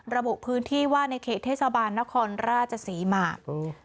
ระบบพื้นที่ว่าในเขตเทสาบานณคลราจสีม่าน